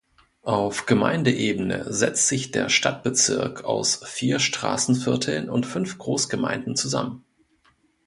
Auf Gemeindeebene setzt sich der Stadtbezirk aus vier Straßenvierteln und fünf Großgemeinden zusammen.